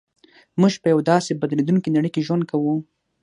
موږ په یوه داسې بدلېدونکې نړۍ کې ژوند کوو